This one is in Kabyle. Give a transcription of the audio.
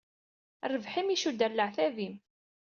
Rrbeḥ-im icudd ɣer leɛtab-im.